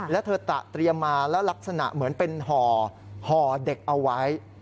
แล้วเธอตะเตรียมมาแล้วลักษณะเหมือนเป็นห่อเด็กเอาไว้